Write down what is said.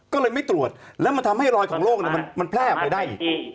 ก็เลยไม่ตรวจแล้วทำให้รอยของโรคนั้นแพร่ไปได้